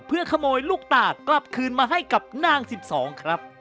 เพื่อขโมยลูกตากลับคืนมาให้กับนาง๑๒ครับ